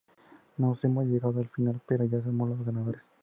No hemos llegado al final pero ya somos los ganadores...""